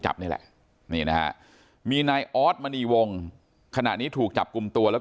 จับนี่แหละนี่นะฮะมีนายออสมณีวงขณะนี้ถูกจับกลุ่มตัวแล้ว